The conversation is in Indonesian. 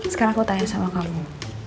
sekarang aku tanya sama kamu